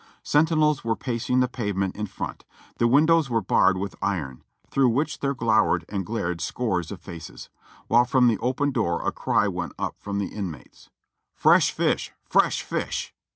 Sentinels were pacing the pave ment in front; the windows were barred with iron, through which there glowered and glared scores of faces ; while from the open door a cry went up from the inmates : "Fresh fish! Fresh fish!"